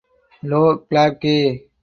Lo Clarke.